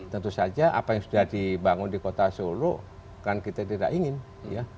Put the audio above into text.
tentu saja apa yang sudah dibangun di kota solo kan kita tidak ingin ya